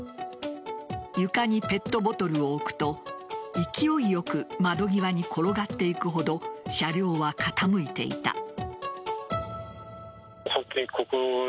床にペットボトルを置くと勢いよく窓際に転がっていくほど車両は傾いていた。